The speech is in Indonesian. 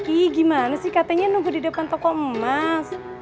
ki gimana sih katanya nunggu di depan toko emas